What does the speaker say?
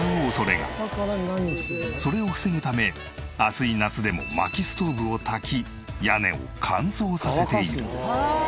それを防ぐため暑い夏でも薪ストーブをたき屋根を乾燥させている。